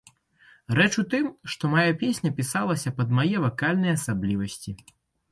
Рэч у тым, што мая песня пісалася пад мае вакальныя асаблівасці.